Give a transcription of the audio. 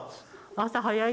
朝早い。